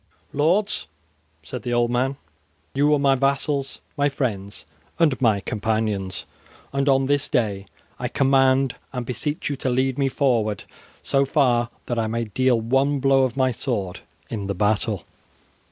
"Lords," said the old man, "you are my vassals, my friends, and my companions, and on this day I command and beseech you to lead me forward so far that I may deal one blow of my sword in the battle."